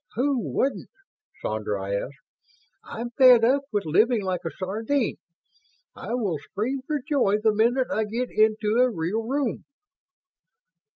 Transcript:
"Who wouldn't?" Sandra asked. "I'm fed up with living like a sardine. I will scream for joy the minute I get into a real room."